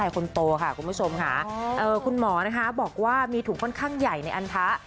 คุณหมอบอกว่ามีถุงค่อนข้างใหญ่ในอันท้า